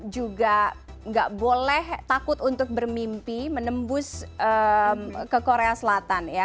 juga nggak boleh takut untuk bermimpi menembus ke korea selatan ya